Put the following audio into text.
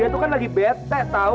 dia tuh kan lagi bete tau